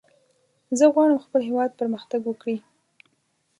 زه غواړم خپل هېواد پرمختګ وکړي.